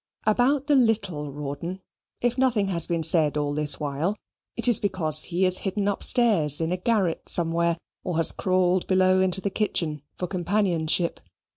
About the little Rawdon, if nothing has been said all this while, it is because he is hidden upstairs in a garret somewhere, or has crawled below into the kitchen for companionship.